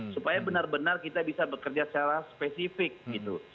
supaya benar benar kita bisa bekerja secara spesifik gitu